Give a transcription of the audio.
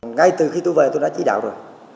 ngay từ khi tôi về tôi đã chỉ đạo rồi